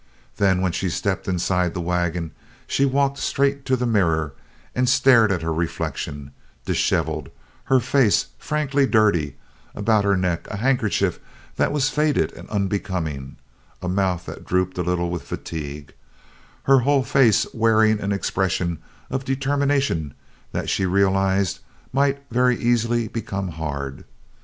Then, when she stepped inside the wagon, she walked straight to the mirror and stared at her reflection dishevelled, her face frankly dirty, about her neck a handkerchief that was faded and unbecoming, a mouth that drooped a little with fatigue, her whole face wearing an expression of determination that she realized might very easily become hard.